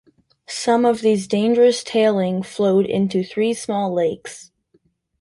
Some of these dangerous tailing flowed into three small lakes.